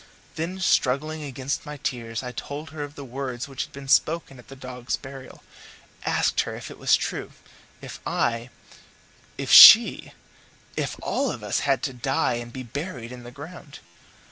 Then, struggling against my tears, I told her of the words which had been spoken at the old dog's burial, and asked her if it was true, if I if she if all of us had to die and be buried in the ground?